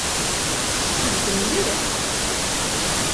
Sel-d mliḥ!